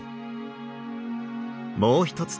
もう一つ